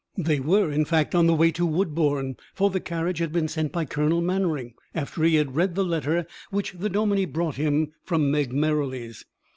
They were, in fact, on the way to Woodbourne, for the carriage had been sent by Colonel Mannering, after he had read the letter which the dominie brought him from Meg Merrilies.